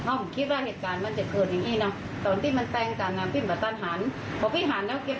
โอ๊ยนายจะพยายามเลย